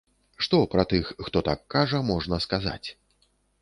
Што пра тых, хто так кажа, можна сказаць?